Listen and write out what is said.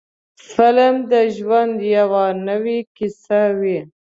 فلم د ژوند یوه نوې کیسه وي.